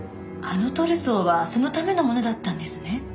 あのトルソーはそのためのものだったんですね。